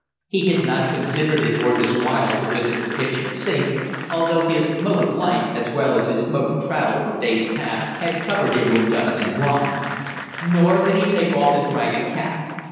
He had not considered it worth his while to visit the kitchen sink, although his mode of life, as well as his mode of travel for days past, had covered him with dust and grime; nor did he take off his ragged cap.